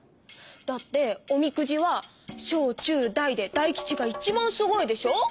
だっておみくじは小中大で大吉がいちばんすごいでしょ？